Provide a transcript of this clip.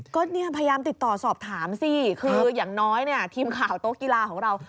ก็เนี่ยพยายามติดต่อสอบถามสิคืออย่างน้อยเนี่ยทีมข่าวโต๊ะกีฬาของเรา